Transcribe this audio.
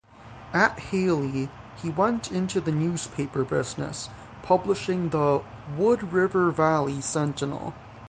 At Hailey, he went into the newspaper business, publishing the "Wood River Valley Sentinel".